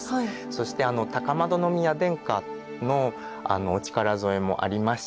そして高円宮殿下のお力添えもありまして